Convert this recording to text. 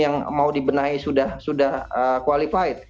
yang mau dibenahi sudah qualified